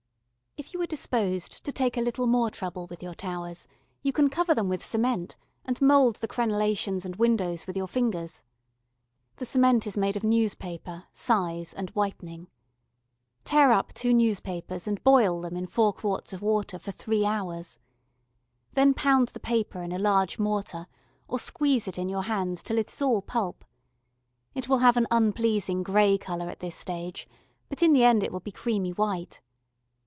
If you are disposed to take a little more trouble with your towers, you can cover them with cement, and mould the crenellations and windows with your fingers. The cement is made of newspaper, size, and whitening. Tear up two newspapers and boil them in four quarts of water for three hours. Then pound the paper in a large mortar, or squeeze it in your hands till it is all pulp. It will have an unpleasing grey colour at this stage, but in the end it will be creamy white.